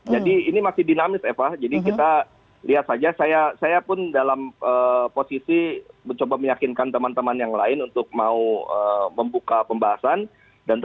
jadi ini masih dinamis eva vita lihat saja saya saya pun dalam posisi mencoba meyakinkan teman teman yang lain untuk mau membuka pembahasan